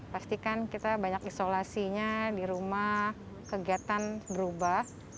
pastikan kita banyak isolasinya di rumah kegiatan berubah